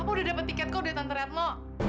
kapa udah dapet tiket kok dari tante retno